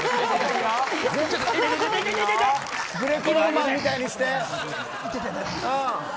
グレコローマンみたいにして。